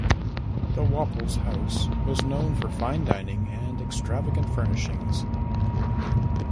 The Waples House was known for fine dining and extravagant furnishings.